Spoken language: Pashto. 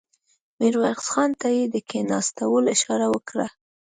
ميرويس خان ته يې د کېناستلو اشاره وکړه.